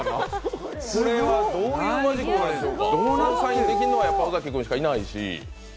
これはどういうマジックなんでしょうか、サインできるのは尾崎君しかいないし。